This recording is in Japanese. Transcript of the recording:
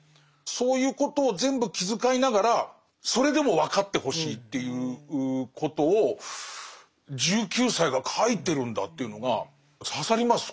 そういうことを全部気遣いながらそれでも分かってほしいっていうことを１９歳が書いてるんだっていうのが刺さります